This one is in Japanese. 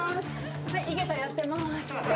はい井桁やってます。